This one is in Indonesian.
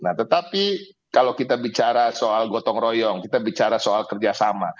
nah tetapi kalau kita bicara soal gotong royong kita bicara soal kerjasama